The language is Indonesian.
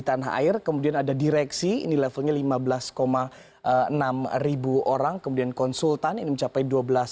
tanah air kemudian ada direksi ini levelnya lima belas enam ribu orang kemudian konsultan ini mencapai dua belas